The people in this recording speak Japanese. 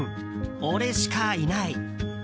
「俺しかいない」。